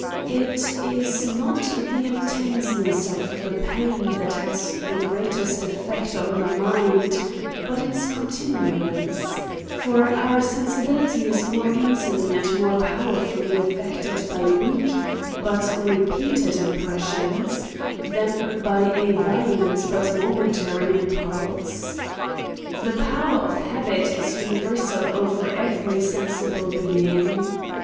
It is not the intenseness of the pain that has the greatest effect on the mind, but its continu ance ; for our sensibility is more easily and more powerfully affected by weak but repeated impress sions, than by a violent but momentary impulse. The power of habit is universal over every sen sible being.